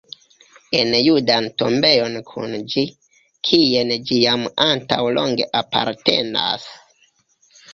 En judan tombejon kun ĝi, kien ĝi jam antaŭ longe apartenas.